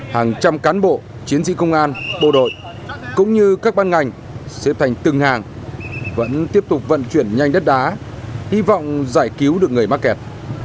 hàng trăm cán bộ chiến sĩ công an bộ đội cũng như các ban ngành sẽ thành từng hàng vẫn tiếp tục vận chuyển nhanh đất đá hy vọng giải cứu được người mắc kẹt